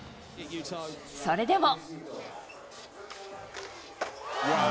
それでも。